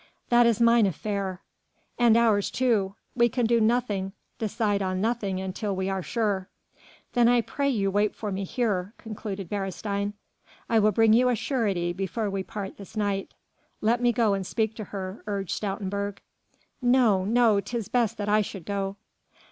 "That is mine affair." "And ours too. We can do nothing, decide on nothing until we are sure." "Then I pray you wait for me here," concluded Beresteyn. "I will bring you a surety before we part this night." "Let me go and speak to her," urged Stoutenburg. "No, no, 'tis best that I should go."